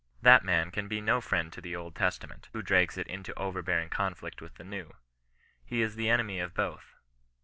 That man can be no friend to the Old Testament^ who drags it into overbearing conflict with the New. He is the enemy of both.